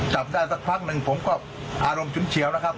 จับได้สักพักหนึ่งผมก็อารมณ์ฉุนเฉียวแล้วครับ